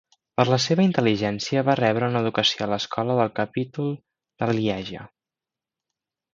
Per la seva intel·ligència va rebre una educació a l'escola del capítol de Lieja.